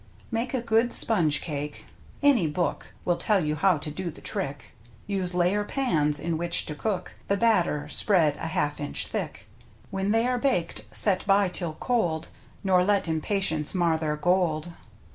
Make a good sponge cake (any book Will tell you how to do the trick), Use layer pans in which to cook The batter, spread a half inch thick. When they are baked, set by till cold, Nor let impatience mar their gold.